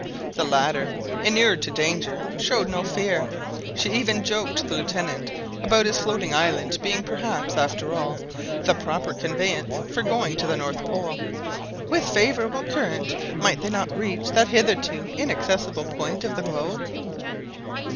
The latter, inured to danger, showed no fear; she even joked the Lieutenant about his floating island being perhaps, after all, the proper conveyance for going to the North Pole. "With a favourable current might they not reach that hitherto inaccessible point of the globe?"